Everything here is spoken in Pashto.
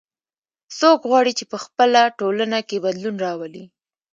څوک غواړي چې په خپله ټولنه کې بدلون راولي